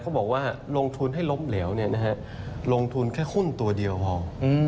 เขาบอกว่าลงทุนให้ล้มเหลวเนี่ยนะฮะลงทุนแค่ขุ้นตัวเดียวพออืม